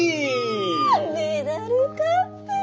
メダルカップル！